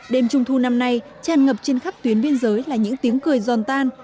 đêm trung thu năm nay tràn ngập trên khắp tuyến biên giới là những tiếng cười giòn tan